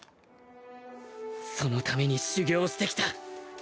そのために修行してきた